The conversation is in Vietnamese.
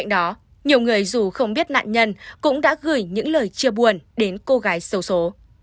đó nhiều người dù không biết nạn nhân cũng đã gửi những lời chia buồn đến cô gái sâu số